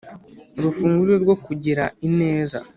Urufunguzo rwo kugira ineza